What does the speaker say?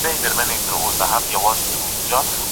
د ړندو مرمیو اور دي په جونګړو کي بلیږي